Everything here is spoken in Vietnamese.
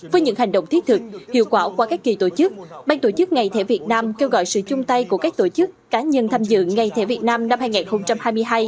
với những hành động thiết thực hiệu quả qua các kỳ tổ chức ban tổ chức ngày thể việt nam kêu gọi sự chung tay của các tổ chức cá nhân tham dự ngày thể việt nam năm hai nghìn hai mươi hai